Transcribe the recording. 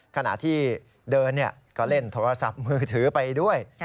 ขณะที่เดินก็เล่นโทรศัพท์มือถือไปด้วย